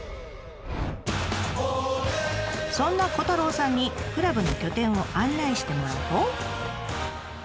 そんな虎太郎さんにクラブの拠点を案内してもらうと。